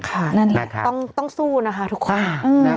นั่นแหละต้องสู้นะคะทุกคน